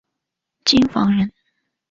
京房人。